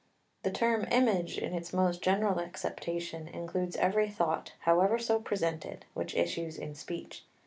The term image in its most general acceptation includes every thought, howsoever presented, which issues in speech.